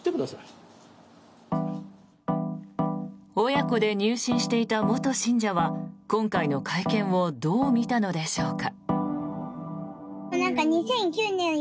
親子で入信していた元信者は今回の会見をどう見たのでしょうか。